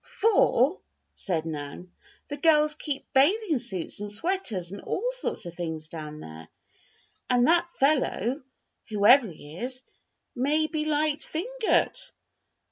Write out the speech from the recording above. "For," said Nan, "the girls keep bathing suits and sweaters and all sorts of things down there and that fellow, whoever he is, may be light fingered."